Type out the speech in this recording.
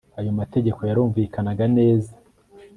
Ayo mategeko yarumvikanaga neza